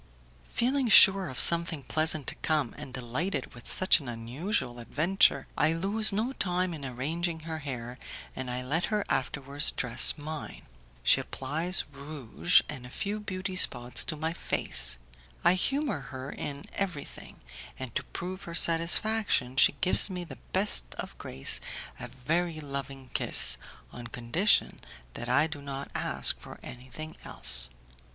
Feeling sure of something pleasant to come, and delighted with such an unusual adventure, I lose no time in arranging her hair, and I let her afterwards dress mine. She applies rouge and a few beauty spots to my face; I humour her in everything, and to prove her satisfaction, she gives me with the best of grace a very loving kiss, on condition that I do not ask for anything else.